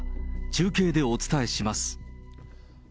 中継でお伝えします。